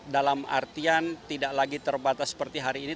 dalam artian tidak lagi terbatas seperti hari ini